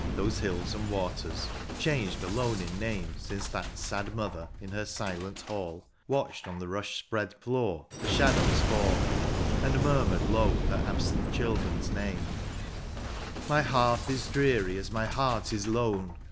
Those hills and waters, changed alone in name Since that sad mother, in her silent hall. Watched on the rush spread floor the shadows fall. And murmured low her absent children's name :'' My hearth is dreary as my heart is lone.